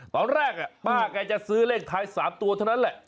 ตอนแรกป้าแกจะซื้อเลขท้าย๓ตัวเท่านั้นแหละ